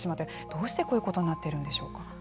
どうしてこういうことになっているんでしょうか。